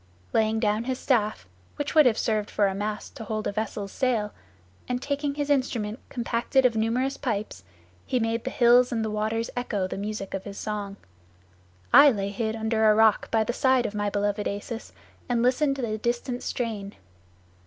Laying down his staff, which would have served for a mast to hold a vessel's sail, and taking his instrument compacted of numerous pipes, he made the hills and the waters echo the music of his song. I lay hid under a rock by the side of my beloved Acis, and listened to the distant strain.